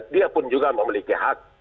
dia pun juga memiliki hak